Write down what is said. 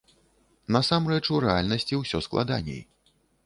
Насамрэч, у рэальнасці ўсё складаней.